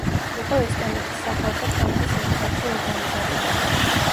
იყო ესტონეთის სახალხო ფრონტის ერთ-ერთი ორგანიზატორი.